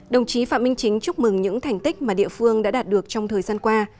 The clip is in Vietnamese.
đồng chí phạm minh chính chúc mừng những thành tích mà địa phương đã đạt được trong thời gian qua